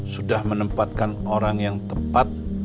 sudah menempatkan orang yang tepat